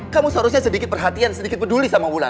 kamu seharusnya sedikit perhatian sedikit peduli sama bulan